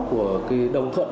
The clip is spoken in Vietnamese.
của cái đồng thuận